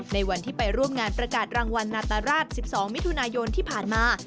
ในวันที่ไปร่วมงานประกาศรางวัลนาตราช๑๒มิถุนายนที่ผ่านมา